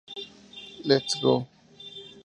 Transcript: Let's Go!